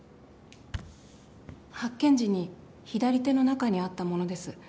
・発見時に左手の中にあったものです